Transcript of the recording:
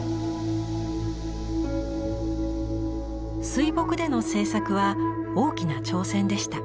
水墨での制作は大きな挑戦でした。